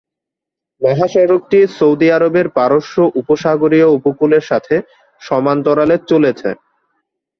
মহাসড়কটি সৌদি আরবের পারস্য উপসাগরীয় উপকূলের সাথে সমান্তরালে চলেছে।